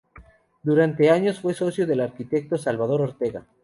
Durante años fue socio del arquitecto Salvador Ortega.